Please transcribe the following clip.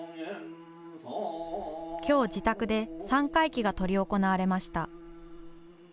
きょう、自宅で３回忌が執り行われました。